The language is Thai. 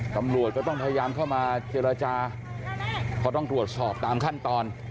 ตำรวจก็ต้องพยายามเข้ามาเจรจาเพราะต้องตรวจสอบตามขั้นตอน